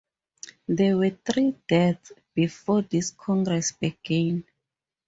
There were three deaths before this Congress began.